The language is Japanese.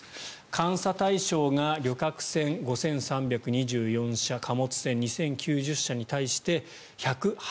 監査対象が旅客船５３２４社貨物船、２０９０社に対して１８０人。